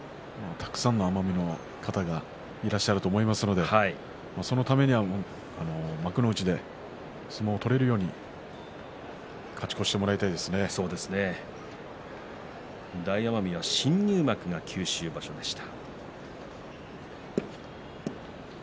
たくさんの奄美の方がいらっしゃると思いますのでそのためには幕内で相撲を取れるように大奄美は新入幕が九州場所でした。